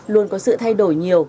luôn có sự thay đổi nhiều